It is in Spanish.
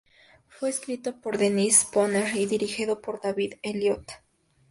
Fue escrito por Dennis Spooner y dirigido por David Elliott.